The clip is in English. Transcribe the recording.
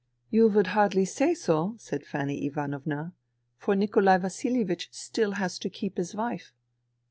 " You would hardly say so," said Fanny Ivanovna, " for Nikolai Vasilievich still has to keep his wife."